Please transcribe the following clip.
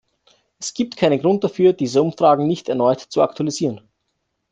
Es gibt keinen Grund dafür, diese Umfragen nicht erneut zu aktualisieren.